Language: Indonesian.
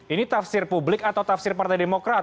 ini tafsir publik atau tafsir partai demokrat